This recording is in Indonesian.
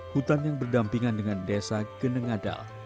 hutan yang berdampingan dengan desa genengadal